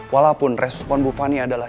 walaupun respon bu fani adalah